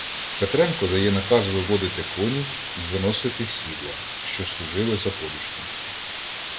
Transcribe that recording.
Петренко дає наказ виводити коні й виносити сідла, що служили за подушки.